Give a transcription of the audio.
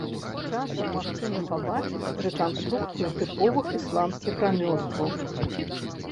Часам магчыма пабачыць рэканструкцыю тыповых ісландскіх рамёстваў.